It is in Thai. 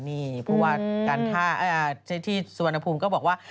นี่เพราะว่าการท่าที่สุวรรณภูมิก็บอกว่า